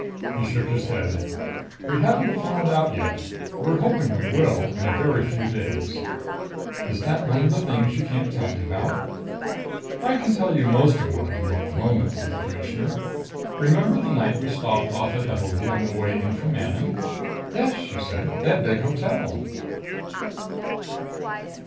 He shook his head. "We haven't found out yet. We're hoping we will, in a very few days." "Is that one of the things you can't tell me about?" "I can tell you most of what I know at the moment," said the Commissioner. "Remember the night we stopped off at Evalee on the way in from Manon?" "Yes," she said. "That big hotel!"